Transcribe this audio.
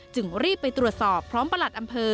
จึงรีบไปตรวจสอบพร้อมประหลัดอำเภอ